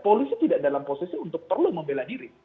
polisi tidak dalam posisi untuk perlu membela diri